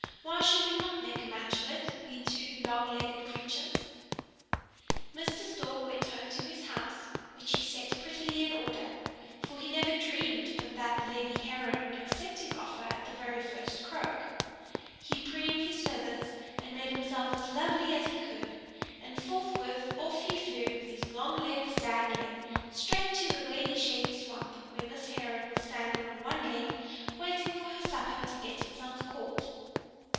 Why should we not make a match of it, we two long legged creatures?" Mr. Stork went home to his house, which he set prettily in order: for he never dreamed but that the lady Heron would accept his offer at the very first croak. He preened his feathers and made himself as lovely as he could, and forthwith off he flew with his long legs dangling, straight to the wady shady swamp where Miss Heron was standing on one leg waiting for her supper to get itself caught.